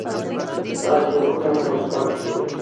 تاسو د کومې ونې مسواک خوښوئ؟